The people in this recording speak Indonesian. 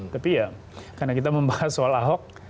tapi ya karena kita membahas soal ahok